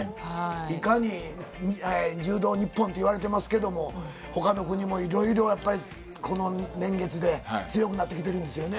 いかに柔道日本っていわれてますけど、ほかの国もいろいろやっぱりこの年月で強くなってきてるんですよね。